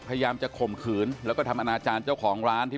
พยายามจะข่มขืนแล้วก็ทำอนาจารย์เจ้าของร้านที่